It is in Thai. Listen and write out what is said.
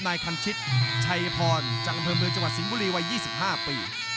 นายคันชิตชัยพรจังหวัดสิงห์บุรีวัย๒๕ปี